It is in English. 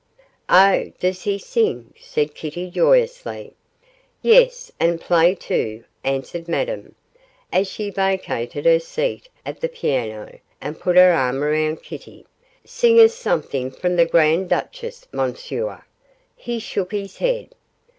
'Oh, does he sing?' said Kitty, joyously. 'Yes, and play too,' answered Madame, as she vacated her seat at the piano and put her arm round Kitty, 'sing us something from the "Grand Duchess", Monsieur.' He shook his head.